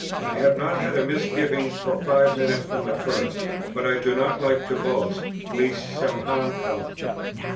"I have not had a misgiving for five minutes from the first: but I do not like to boast, lest some harm come."